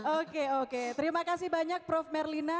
oke oke terima kasih banyak prof merlina